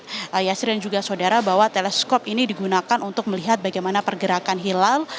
yassin dan juga saudara bahwa teleskop ini digunakan untuk melihat bagaimana pergerakan hilal